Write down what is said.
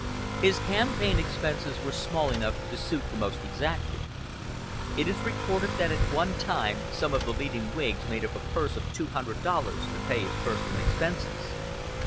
His campaign expenses were small enough to suit the most exacting. It is recorded that at one time some of the leading Whigs made up a purse of two hundred dollars to pay his personal expenses.